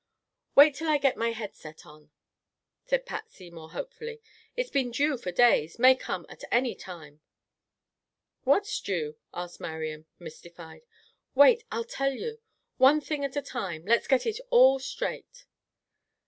"Wait till I get my head set on," said Patsy, more hopefully. "It's been due for days; may come at any time." "What's due?" asked Marian, mystified. "Wait! I'll tell you. One thing at a time. Let's get it all straight."